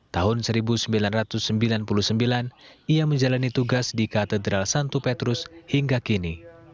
tahun seribu sembilan ratus sembilan puluh sembilan ia menjalani tugas di katedral santu petrus hingga kini